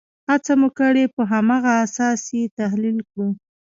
هڅه مو کړې په هماغه اساس یې تحلیل کړو.